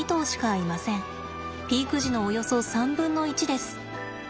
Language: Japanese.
ピーク時のおよそ３分の１です。